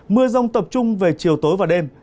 mưa rông tập trung về chiều tối và đêm